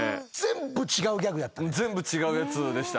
全部違うやつでした。